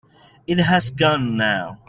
It has gone now.